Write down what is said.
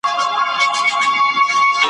په تعویذ کي یو عجب خط وو لیکلی ,